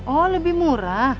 oh lebih murah